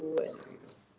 akan ada masanya